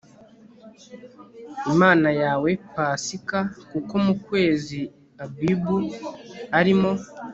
imana yawe pasika kuko mu kwezi abibu ari mo